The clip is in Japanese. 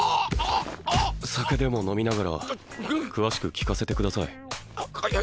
酒でも飲みながら詳しく聞かせてくださいいい